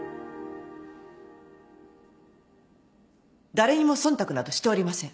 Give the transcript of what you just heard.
誰にも忖度などしておりません。